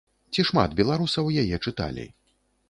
Ці шмат беларусаў яе чыталі?